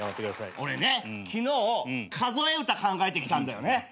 俺ね昨日数え歌考えてきたんだよね。